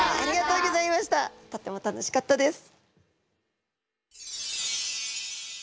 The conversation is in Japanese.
とっても楽しかったです！